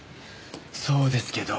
そうですけど。